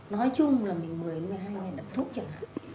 nói chung là mình một mươi một mươi hai ngày đặt thuốc chẳng hạn